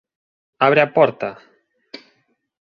Abre a porta!